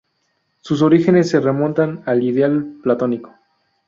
Sus orígenes se remontan al ideal platónico.